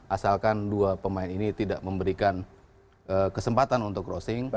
asalkan dua pemain ini tidak memberikan kesempatan untuk crossing